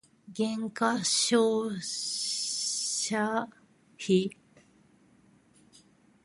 減価償却費